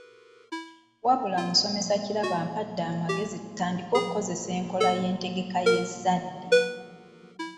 Wabula musomesa Kirabo ampadde amagezi tutandike okukozesa enkola ey’entegeka y’ezzadde.